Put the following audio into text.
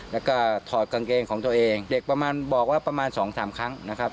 แล้วก็ถอดกางเกงของตัวเองเด็กประมาณบอกว่าประมาณสองสามครั้งนะครับ